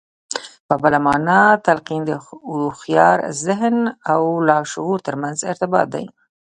په بله مانا تلقين د هوښيار ذهن او لاشعور ترمنځ ارتباط دی.